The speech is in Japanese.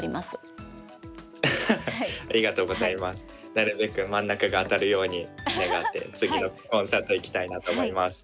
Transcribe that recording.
なるべく真ん中が当たるように願って次のコンサート行きたいなと思います。